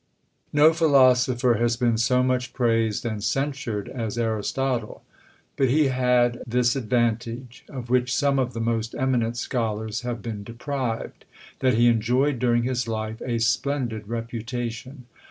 No philosopher has been so much praised and censured as Aristotle: but he had this advantage, of which some of the most eminent scholars have been deprived, that he enjoyed during his life a splendid reputation.